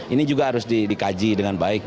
ini juga harus dikaji dengan baik